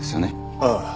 ああ。